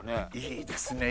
いいですね。